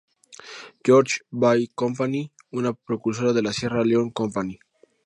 George's Bay Company", una precursora de la "Sierra Leone Company".